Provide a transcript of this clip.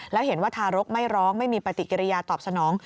แล้วเห็นว่าทารกไม่ร้องไม่มีปฏิกิริยาตอบสนอง